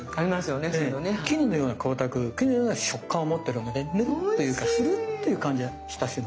絹のような光沢絹のような食感を持ってるのでヌルッというかスルッという感じがしたりする。